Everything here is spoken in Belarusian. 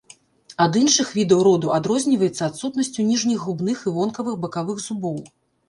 Ад іншых відаў роду адрозніваецца адсутнасцю ніжніх губных і вонкавых бакавых зубоў.